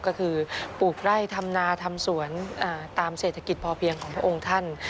ก็คือปลูกไร่ทำนาทำสวนตามเศรษฐกิจพอเพียงของพระองค์ท่าน